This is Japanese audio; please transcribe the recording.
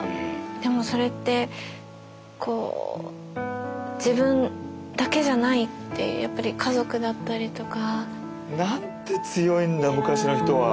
でもそれって自分だけじゃないってやっぱり家族だったりとか。なんて強いんだ昔の人は。